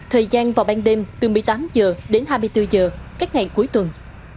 thời gian vào ban đêm từ một mươi tám h đến hai mươi bốn h các ngày cuối tuần